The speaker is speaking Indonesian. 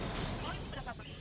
oh ini berapa bang